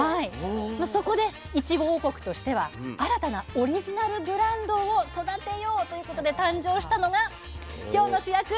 そこでいちご王国としては新たなオリジナルブランドを育てようということで誕生したのが今日の主役